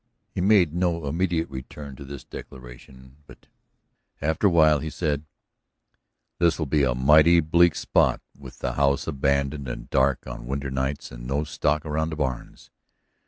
He made no immediate return to this declaration, but after a while he said: "This will be a mighty bleak spot with the house abandoned and dark on winter nights and no stock around the barns."